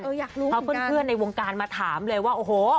เอออยากรู้เหมือนกันเพราะเพื่อนในวงการมาถามเลยว่าโอ้โห